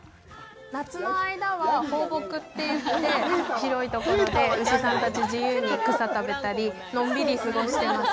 夏の間は、放牧といって広いところで牛さんたち自由に草食べたりのんびり過ごしてます。